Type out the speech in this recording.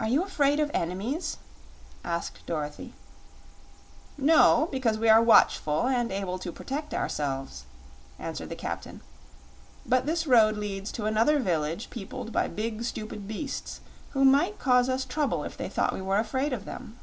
"Are you afraid of enemies?" asked Dorothy. "No; because we are watchful and able to protect ourselves," answered the captain. "But this road leads to another village peopled by big, stupid beasts who might cause us trouble if they thought we were afraid of them."